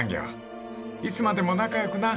［いつまでも仲良くな］